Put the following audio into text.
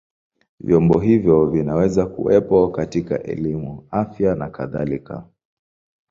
Vyombo hivyo vinaweza kuwepo katika elimu, afya na kadhalika.